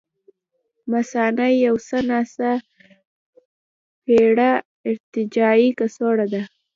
مثانه یو څه ناڅه پېړه ارتجاعي کڅوړه ده.